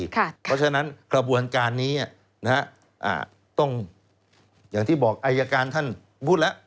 เพราะฉะนั้นกระบวนการนี้ต้องอย่างที่บอกอายการท่านพูดแล้ว